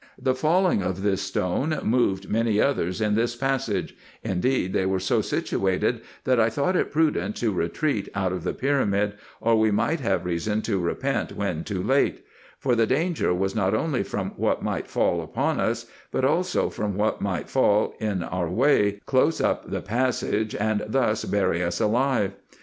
The falling of this stone moved many others in this passage : indeed, they were so situated, that I thought it prudent to retreat out of the pyramid, or we might have reason to repent when too late ; for the danger was not only from what might fall upon us, but also from what might fall in our way, close up the passage, and thus bury us alive.